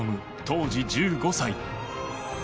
当時１５歳。